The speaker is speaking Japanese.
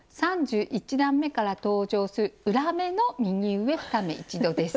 ３１段めから登場する裏目の「右上２目一度」です。